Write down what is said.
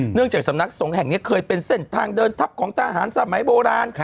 จากสำนักสงฆ์แห่งนี้เคยเป็นเส้นทางเดินทัพของทหารสมัยโบราณ